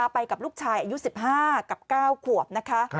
ไปกับลูกชายอายุ๑๕กับ๙ขวบนะคะ